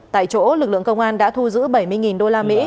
tại chỗ lực lượng công an đã thu giữ bảy mươi usd